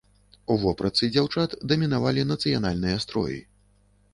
У вопратцы дзяўчат дамінавалі нацыянальныя строі.